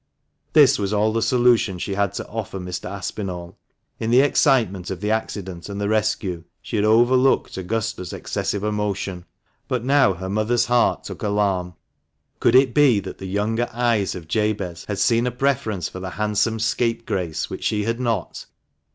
This was all the solution she had to offer Mr. Aspinall. In the excitement of the accident and the rescue, she had overlooked Augusta's excessive emotion, but now her mother's heart took alarm. Could it be that the younger eyes of Jabez had seen a preference for the handsome scapegrace which she had not?